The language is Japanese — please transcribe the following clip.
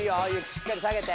しっかり下げて。